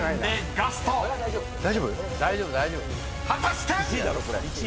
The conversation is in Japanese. ［果たして⁉］